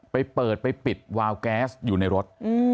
ไปเปิดไปปิดวาวแก๊สอยู่ในรถ